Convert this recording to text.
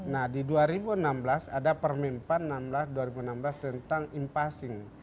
nah di dua ribu enam belas ada permen pan enam belas dua ribu enam belas tentang impasing